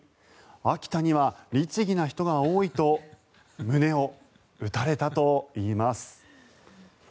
秋田には律義な人が多いと胸を打たれたといいます。